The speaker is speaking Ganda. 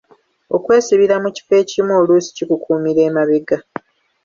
Okwesibira mu kifo ekimu oluusi kikukuumira emabega.